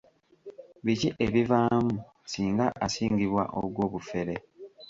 Biki ebivaamu singa asingisibwa ogw'obufere.